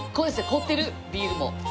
凍ってるビールも。